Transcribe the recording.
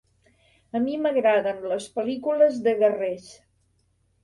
A mi m'agraden les pel·lícules de guerrers.